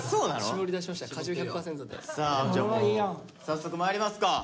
早速まいりますか。